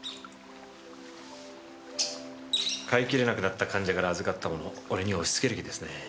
飼いきれなくなった患者から預かったものを俺に押し付ける気ですね。